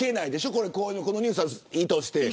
このニュースは、いいとして。